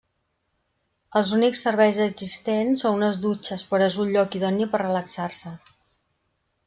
Els únics serveis existents són unes dutxes però és un lloc idoni per relaxar-se.